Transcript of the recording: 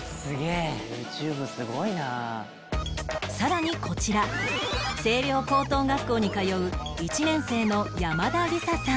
さらにこちら青稜高等学校に通う１年生の山田理紗さん